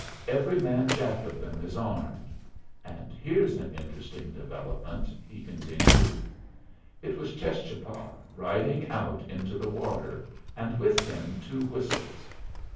"Every man jack of them is armed. And here's an interesting development," he continued. It was Cheschapah riding out into the water, and with him Two Whistles.